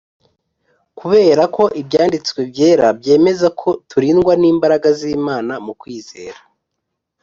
Kubera ko Ibyanditswe Byera byemeza neza ko turindwa n'imbaraga z'Imana mu kwizera.